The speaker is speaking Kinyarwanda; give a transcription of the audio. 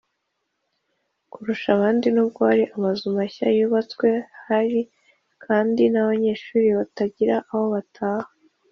Kurusha abandi n ubwo hari amazu mashya yubatswe hari kandi n abanyeshuri batagira aho bataha